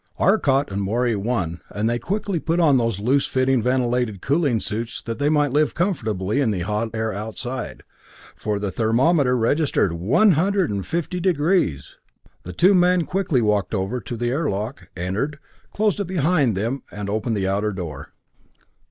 Arcot and Morey won, and they quickly put on the loose fitting ventilated cooling suits that they might live comfortably in the hot air outside for the thermometer registered 150°! The two men quickly walked over to the airlock, entered, closed it behind them, and opened the outer door.